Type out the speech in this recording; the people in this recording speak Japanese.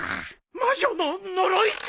魔女の呪いか！？